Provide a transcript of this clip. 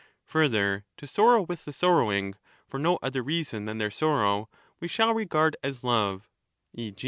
Further, fto sorrow with the sorrowing, for ncL other reason than their sorrow, we shall regard as love\(e.